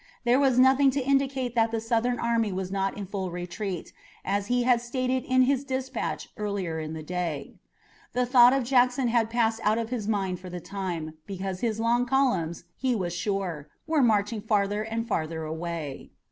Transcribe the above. There was nothing to indicate that the Southern army was not in full retreat, as he had stated in his dispatch earlier in the day. The thought of Jackson had passed out of his mind for the time, because his long columns, he was sure, were marching farther and farther away.